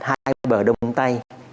hai bờ đông tây